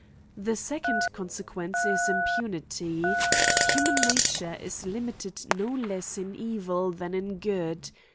The second consequence is impunity. Human nature is limited no less in evil than in good.